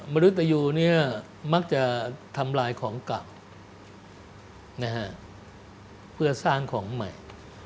มรุตอยู่มักจะทำลายของกล่าวเพื่อสร้างของใหม่